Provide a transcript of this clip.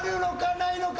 ないのか？